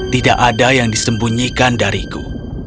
tidak ada yang disembunyikan dariku